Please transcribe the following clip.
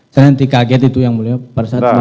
saya nanti kaget itu yang mulia pada saat